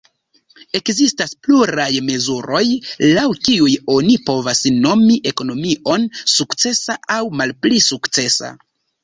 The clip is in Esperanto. Ekzistas pluraj mezuroj, laŭ kiuj oni povas nomi ekonomion sukcesa aŭ malpli sukcesa.